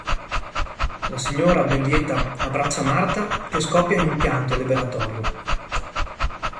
La signora, ben lieta, abbraccia Marta che scoppia in un pianto liberatorio.